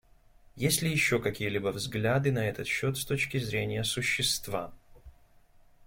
Есть ли еще какие-либо взгляды на этот счет с точки зрения существа?